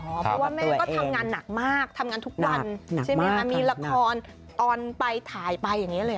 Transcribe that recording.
เพราะว่าแม่ก็ทำงานหนักมากทำงานทุกวันใช่ไหมคะมีละครออนไปถ่ายไปอย่างนี้เลย